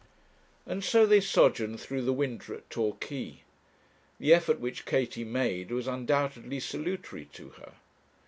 And so they sojourned through the winter at Torquay. The effort which Katie made was undoubtedly salutary to her.